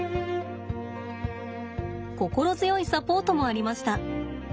心強いサポートもありました。